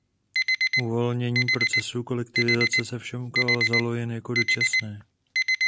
Uvolnění procesu kolektivizace se ovšem ukázalo jen jako dočasné.